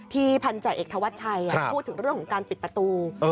ที่พันธุ์จ่ายเอกทวัตชัยพูดถึงเรื่องของการปิดประตู